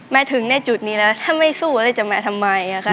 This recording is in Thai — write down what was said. แม้ถึงได้จุดนี้แล้วถ้าไม่สู้ก็เลยจะมาทำไมค่ะ